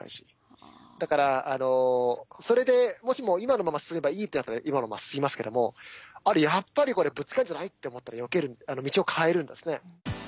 だからそれでもしも今のまま進めばいいってなったら今のまま進みますけどもやっぱりこれぶつかるんじゃないって思ったらよける道を変えるんですね。